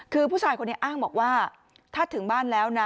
คือผู้ชายคนนี้อ้างบอกว่าถ้าถึงบ้านแล้วนะ